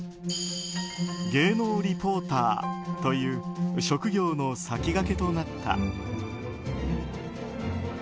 芸能リポーターという職業の先駆けとなった。